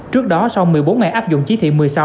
trước đó sau một mươi bốn ngày áp dụng chỉ thị một mươi sáu